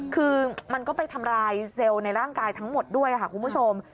คือมันก็ไปทำร้ายเซลล์ในร่างกายทั้งหมดด้วยค่ะคุณผู้ชม